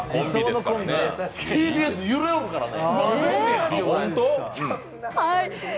ＴＢＳ揺れるからね。